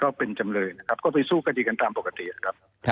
ก็เป็นจำเลยนะครับก็ไปสู้คดีกันตามปกติครับ